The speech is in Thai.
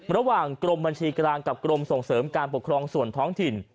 ระหว่างกรมบัญชีกลางกับกรมส่งเสริมการปกครองส่วนท้องถิ่น